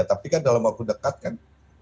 tapi kan dalam waktu dekat kan